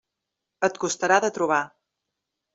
Et costarà de trobar.